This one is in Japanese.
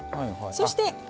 そして。